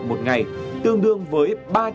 một ngày tương đương với ba trăm linh